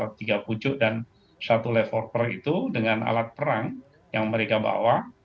tiga pucuk dan satu leverper itu dengan alat perang yang mereka bawa